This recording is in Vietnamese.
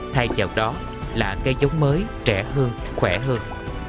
thay vào đó là cây giống mới trẻ hơn khỏe hơn